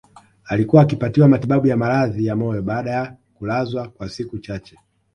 Alikuwa akipatiwa matibabu ya maradhi ya moyo baada ya kulazwa kwa siku chache